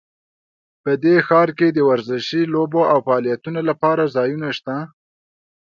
په دې ښار کې د ورزشي لوبو او فعالیتونو لپاره ځایونه شته